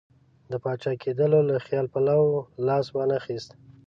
د پاچا کېدلو له خیال پلو لاس وانه خیست.